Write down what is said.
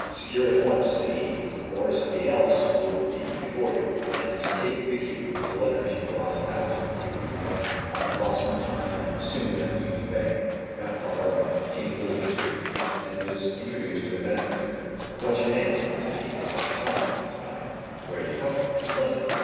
"Secure it at once," said he "or somebody else will be before you, and take with you the letters you brought out with you from London." I lost no time, and was soon at the Union Bank, not far from King William street, and was introduced to the manager there. "What's your name?" said he. "Cockney Tom," said I. "Where do you come from?" "London."